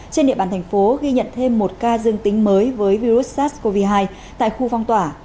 trên địa bàn thành phố ghi nhận thêm một ca dương tính mới với virus sars cov hai tại khu phong tỏa